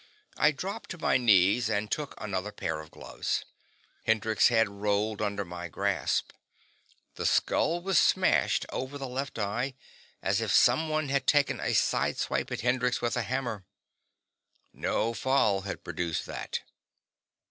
I dropped to my knees and took another pair of gloves. Hendrix's head rolled under my grasp. The skull was smashed over the left eye, as if someone had taken a sideswipe at Hendrix with a hammer. No fall had produced that.